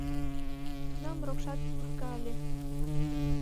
Тунам рокшат пурка ыле.